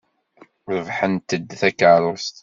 Rebḥent-d takeṛṛust.